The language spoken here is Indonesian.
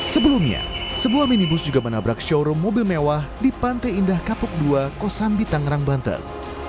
sebelumnya sebuah minibus juga menabrak showroom mobil mewah di pantai indah kapuk dua kosambi tangerang banten